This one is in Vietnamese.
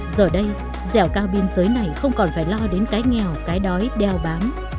giờ đây dẻo cao biên giới này không còn phải lo đến cái nghèo cái đói đeo bám